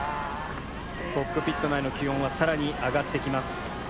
コックピット内の気温は更に上がってきます。